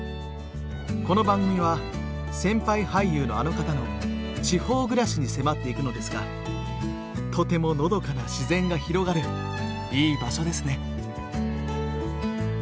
この番組は先輩俳優のあの方の地方暮らしに迫っていくのですがとてものどかな自然が広がるいい場所ですね。